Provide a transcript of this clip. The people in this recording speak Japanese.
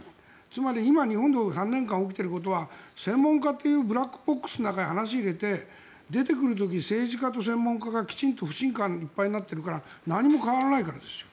つまり、今日本で３年間起きていることは専門家というブラックボックスの中に話を入れて出てくる時に政治家と専門家がきちんと不信感でいっぱいになっているから何も変わらないからです。